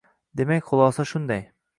Demak, hulosa shunday